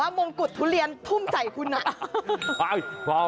เอาเป็นมงกุฏทุเรียนทุ่มใส่คุณ